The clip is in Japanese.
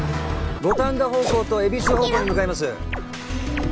五反田方向と恵比寿方向に向かいます